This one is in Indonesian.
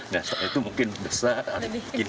nah setelah itu mungkin besar